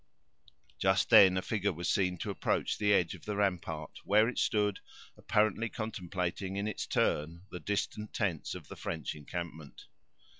Just then a figure was seen to approach the edge of the rampart, where it stood, apparently contemplating in its turn the distant tents of the French encampment.